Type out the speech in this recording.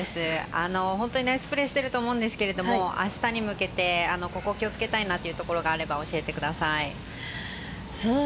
ナイスプレーしてると思うんですけど明日に向けてここ、気を付けたいなというところがあれば教えてください。